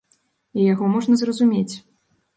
І яго можна зразумець.